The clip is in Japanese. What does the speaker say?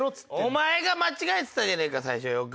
お前が間違えてたじゃねえか最初よく。